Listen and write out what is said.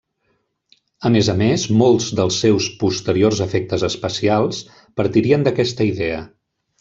A més a més, molts dels seus posteriors efectes especials partirien d'aquesta idea.